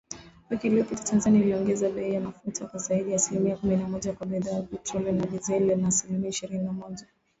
Wiki iliyopita, Tanzania iliongeza bei ya mafuta kwa zaidi ya asilimia kumi na moja kwa bidhaa ya petroli na dizeli, na asilimia ishirini na moja